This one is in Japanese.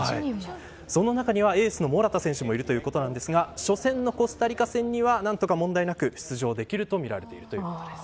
その中にはエースのモラタ選手もいるということなんですが初戦のコスタリカ戦には何とか問題なく出場できるとみられているということです。